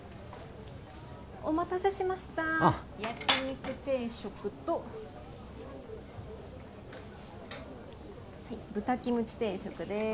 お待たせしました焼肉定食とはい豚キムチ定食です